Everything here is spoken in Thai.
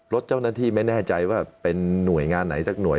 รถเจ้าหน้าที่ไม่แน่ใจว่าเป็นหน่วยงานไหนสักห่วย